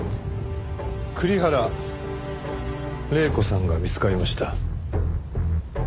栗原玲子さんが見つかりました。